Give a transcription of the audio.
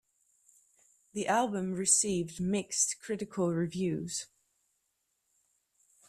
The album received mixed critical reviews.